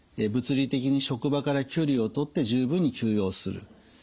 物理的に職場から距離をとって十分に休養する。